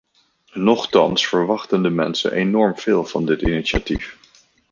Nochtans verwachten de mensen enorm veel van dit initiatief.